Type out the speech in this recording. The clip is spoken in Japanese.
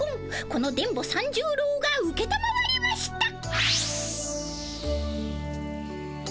この電ボ三十郎がうけたまわりました！